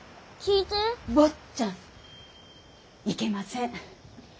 坊ちゃんいけません。